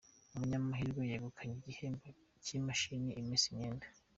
Umunyamahirwe yegukanye igihembo cy’imashini imesa imyenda